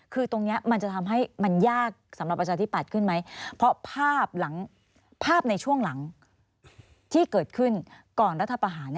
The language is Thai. คือตรงนี้มันจะทำให้มันยากสำหรับประชาธิปัตย์ขึ้นไหมเพราะภาพในช่วงหลังที่เกิดขึ้นก่อนรัฐประหาร